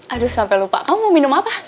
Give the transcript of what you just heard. aduh sampai lupa kamu mau minum apa